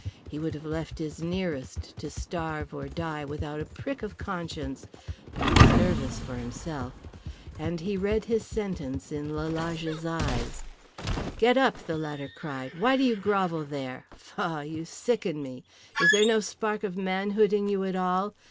He would have left his nearest to starve or die without a prick of conscience, but he was nervous for himself. And he read his sentence in Lalage's eyes. "Get up!" the latter cried. "Why do you grovel there? Faugh! you sicken me. Is there no spark of manhood in you at all?